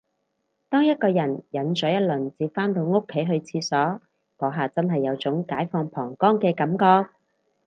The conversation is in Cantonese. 當一個人忍咗一輪至返到屋企去廁所，嗰下真係有種解放膀胱嘅感覺